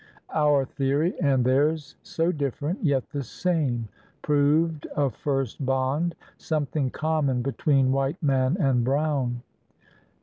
Our theory and theirs, so different, yet the same, proved a first bond, something common between white man and brown.